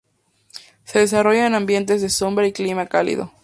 Se desarrolla en ambientes de sombra y clima cálido.